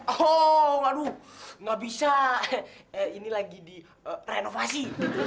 oh aduh ga bisa ini lagi direnovasi